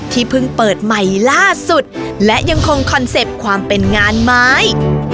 ที่เพิ่งเปิดใหม่ล่าสุดและยังคงคอนเซ็ปต์ความเป็นงานไม้